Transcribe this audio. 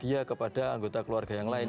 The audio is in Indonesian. dia kepada anggota keluarga yang lain